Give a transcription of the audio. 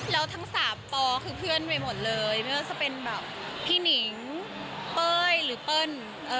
แล้วทั้งสามปอคือเพื่อนไปหมดเลยไม่ว่าจะเป็นแบบพี่หนิงเป้ยหรือเปิ้ล